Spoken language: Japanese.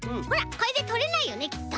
これでとれないよねきっと。